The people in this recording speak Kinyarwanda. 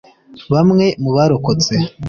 Bamwe mu barokotse